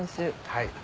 はい。